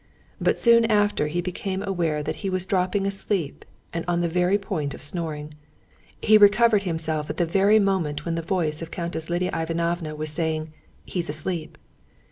But soon after he became aware that he was dropping asleep and on the very point of snoring. He recovered himself at the very moment when the voice of Countess Lidia Ivanovna was saying "he's asleep."